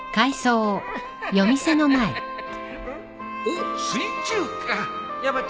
おっ水中花